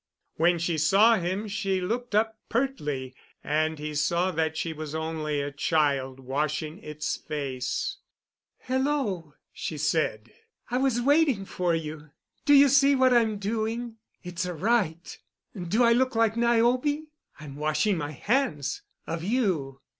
When she saw him she looked up pertly, and he saw that she was only a child washing its face. "Hello!" she said. "I was waiting for you. Do you see what I'm doing? It's a rite. Do I look like Niobe? I'm washing my hands—of you."